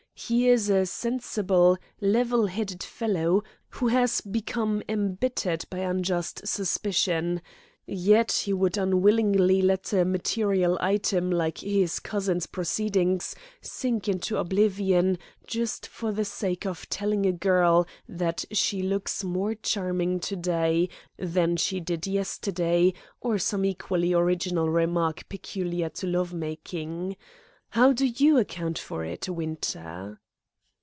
He is a sensible, level headed fellow, who has become embittered by unjust suspicion; yet he would unwillingly let a material item like his cousin's proceedings sink into oblivion just for the sake of telling a girl that she looks more charming to day than she did yesterday, or some equally original remark peculiar to love making. How do you account for it, Winter?"